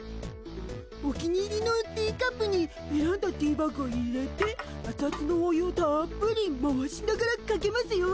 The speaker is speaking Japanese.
お気に入りのティーカップにえらんだティーバッグを入れてあつあつのお湯をたっぷり回しながらかけますよ。